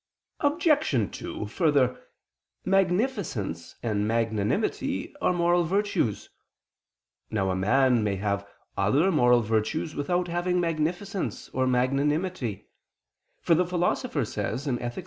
Obj. 2: Further, magnificence and magnanimity are moral virtues. Now a man may have other moral virtues without having magnificence or magnanimity: for the Philosopher says (Ethic.